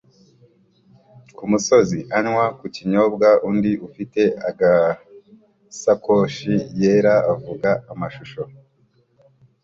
kumusozi anywa ku kinyobwa undi ufite agasakoshi yera avuga amashusho